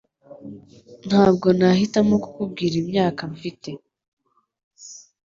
Ntabwo nahitamo kukubwira imyaka mfite